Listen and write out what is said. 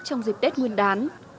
trong dịp tết nguyên đán